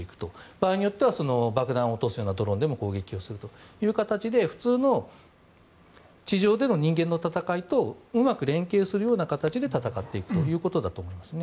場合によっては爆弾を落とすようなドローンでも攻撃をするという形で普通の地上での人間の戦いとうまく連携するような形で戦っていくということだと思います。